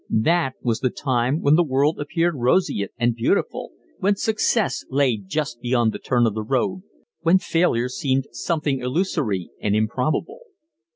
That was the time when the world appeared roseate and beautiful, when success lay just beyond the turn of the road, when failure seemed something illusory and improbable.